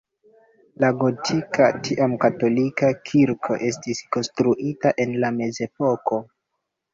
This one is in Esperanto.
La gotika, tiam katolika kirko estis konstruita en la mezepoko.